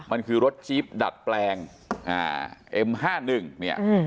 มันคือรถจี๊บดัดแปลงอ่าเอ็มห้าหนึ่งเนี่ย